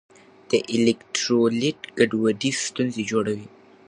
د الیکټرولیټ ګډوډي ستونزې جوړوي.